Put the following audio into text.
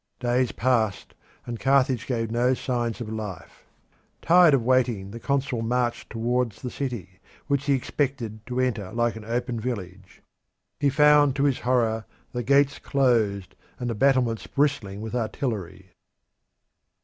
Days passed, and Carthage gave no signs of life. Tired of waiting, the consul marched towards the city, which he expected to enter like an open village. He found, to his horror, the gates closed, and the battlements bristling with artillery.